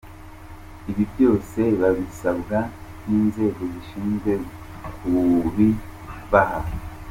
Ibi byose babisabwa n’inzego zishinzwe kubibaha”.